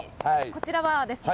こちらはですね